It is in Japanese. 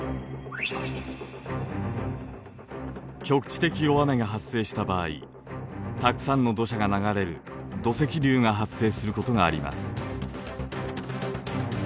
局地的大雨が発生した場合たくさんの土砂が流れる土石流が発生することがあります。